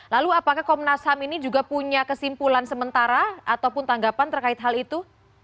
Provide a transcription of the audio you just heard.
lalu apakah komnas ham ini juga punya kesimpulan sementara ataupun tanggapan terkait hal itu